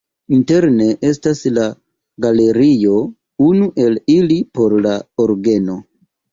Interne estas du galerioj, unu el ili por la orgeno.